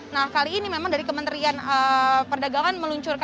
nah kali ini memang dari kementerian perdagangan meluncurkan